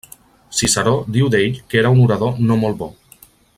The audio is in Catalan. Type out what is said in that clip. Ciceró diu d'ell que era un orador no molt bo.